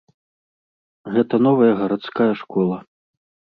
Гэта новая гарадская школа.